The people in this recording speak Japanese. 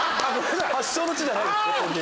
発祥の地じゃないです六本木。